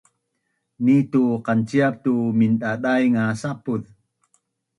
Ni tu qanciap tu mindadaing nga sapuz